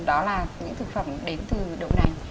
đó là những thực phẩm đến từ đậu nành